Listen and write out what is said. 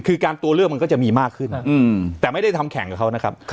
คือการตัวเลือกมันก็จะมีมากขึ้นแต่ไม่ได้ทำแข่งกับเขานะครับ